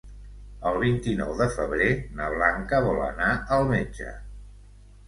El vint-i-nou de febrer na Blanca vol anar al metge.